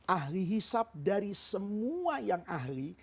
ahli hisap dari semua yang ahli